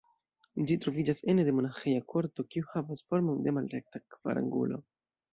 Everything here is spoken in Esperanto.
Ĝi troviĝas ene de monaĥeja korto, kiu havas formon de malrekta kvarangulo.